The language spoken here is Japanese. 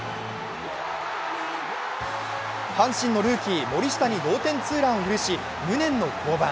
阪神のルーキー・森下に同点ツーランを許し無念の降板。